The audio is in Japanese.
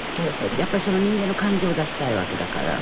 やっぱりその人間の感じを出したいわけだから。